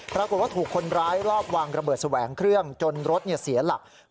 ปรากฏว่าถูกคนร้ายรอบวางระเบิดแสวงเครื่องจนรถเสียหลัก